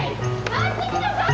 待ってください！